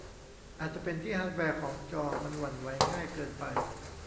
อาจจะเป็นที่ฮาร์ดแวร์ของจอมันหวั่นไหวง่ายเกินไป